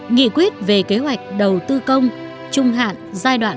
nghị quyết về kế hoạch đầu tư công trung hạn giai đoạn hai nghìn hai mươi một hai nghìn hai mươi